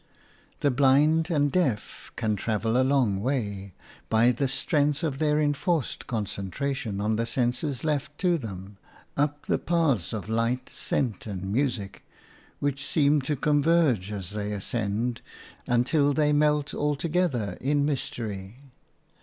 The blind and deaf can travel a long way, by the strength of their enforced concentration on the senses left to them, up the paths of light, scent and music, which seem to converge as they ascend, until they melt altogether in mystery.